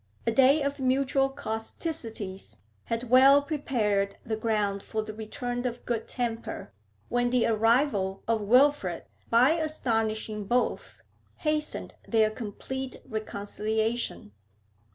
A day of mutual causticities had well prepared the ground for the return of good temper, when the arrival of Wilfrid, by astonishing both, hastened their complete reconciliation.